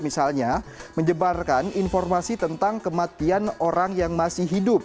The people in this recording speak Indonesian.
misalnya menyebarkan informasi tentang kematian orang yang masih hidup